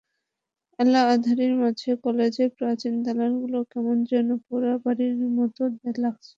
আলো-আঁধারির মাঝে কলেজের প্রাচীন দালানগুলো কেমন যেন পোড় বাড়ির মতো লাগছিল।